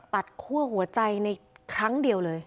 คั่วหัวใจในครั้งเดียวเลย